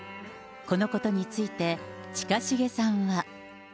このことについて、近重さんは。